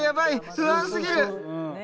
不安すぎる！